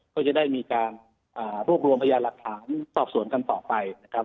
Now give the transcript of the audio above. ก็จะได้มีการรวบรวมพยานหลักฐานสอบสวนกันต่อไปนะครับ